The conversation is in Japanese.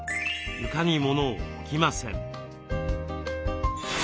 床にモノを置きません。